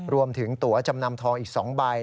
รวมถึงตัวจำนำทองอีก๒ใบ